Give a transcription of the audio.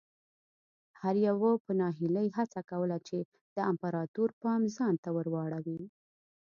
هر یوه په ناهیلۍ هڅه کوله چې د امپراتور پام ځان ته ور واړوي.